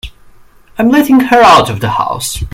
I'm letting her out of the house.